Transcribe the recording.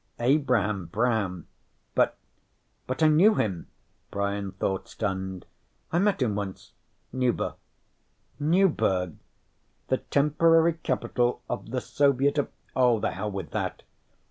Abraham Brown? But But I knew him, Brian thought, stunned. _I met him once. Nuber? Newburg, the temporary capital of the Soviet of oh, the hell with that.